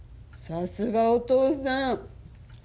さすがお父さん。